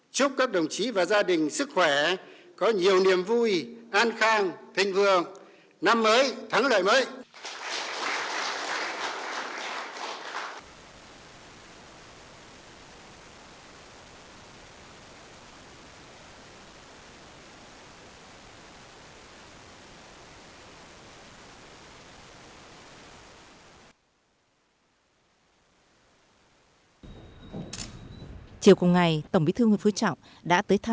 chúc các đồng chí và gia đình sức khỏe có nhiều niềm vui an khang thịnh vượng năm mới thắng lợi mới